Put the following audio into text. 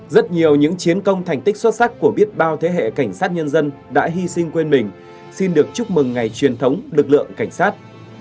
rất nhiều những chiến công thành tích xuất sắc của biết bao thế hệ cảnh sát nhân dân đã hy sinh quên mình xin được chúc mừng ngày truyền thống lực lượng cảnh sát